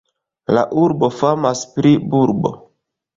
La urbo famas pri bulbo.